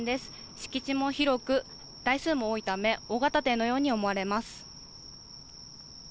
敷地も広く台数も多いため大型店のように思われます。